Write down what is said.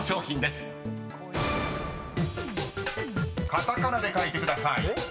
［カタカナで書いてください］